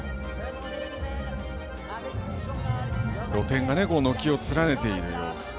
露店が軒を連ねている様子。